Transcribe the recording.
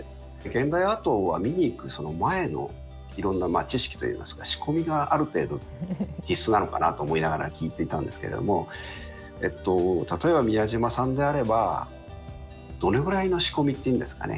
現代アートは見に行くその前のいろんな知識といいますか仕込みがある程度必須なのかなと思いながら聞いていたんですけれども例えば宮島さんであればどれぐらいの仕込みっていうんですかね